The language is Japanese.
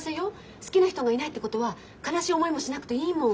好きな人がいないってことは悲しい思いもしなくていいもん。